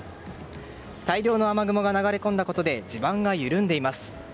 大量の雨雲が流れ込んだことで地盤が緩んでいます。